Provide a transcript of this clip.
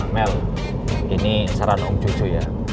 mel ini saran om cucu ya